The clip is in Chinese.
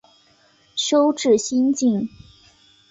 修智心净。